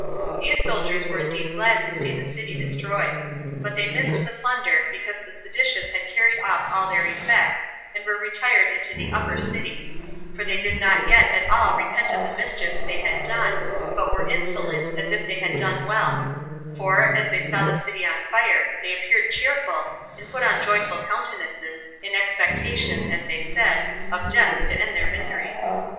These soldiers were indeed glad to see the city destroyed. But they missed the plunder, because the seditious had carried off all their effects, and were retired into the upper city; for they did not yet at all repent of the mischiefs they had done, but were insolent, as if they had done well; for, as they saw the city on fire, they appeared cheerful, and put on joyful countenances, in expectation, as they said, of death to end their miseries.